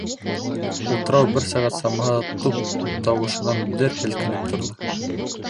Утрау бер сәғәт самаһы туп тауышынан дер һелкенеп торҙо.